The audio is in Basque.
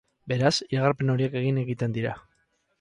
Beraz, iragarpen horiek egin egiten dira.